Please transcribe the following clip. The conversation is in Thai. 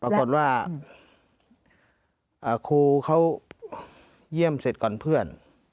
ปรากฏว่าครูเขาเยี่ยมเสร็จก่อนเพื่อน